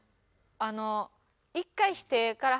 あの。